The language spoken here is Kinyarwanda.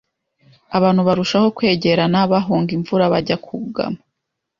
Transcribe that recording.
abantu barushaho kwegerana bahunga imvura bajya kugama